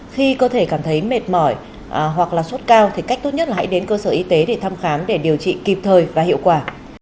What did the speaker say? khi cơ thể cảm thấy mệt mỏi hoặc là sốt cao thì cách tốt nhất là hãy đến cơ sở y tế để thăm khám để điều trị kịp thời và hiệu quả